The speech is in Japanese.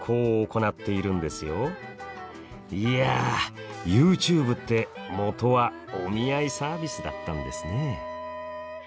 いやＹｏｕＴｕｂｅって元はお見合いサービスだったんですね。